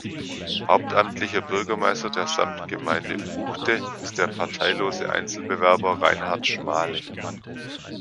Hauptamtlicher Bürgermeister der Samtgemeinde Uchte ist der parteilose Einzelbewerber Reinhard Schmale.